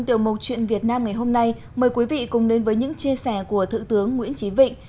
trong tiểu mục chuyện việt nam ngày hôm nay mời quý vị cùng đến với những chia sẻ của thượng tướng nguyễn trí vịnh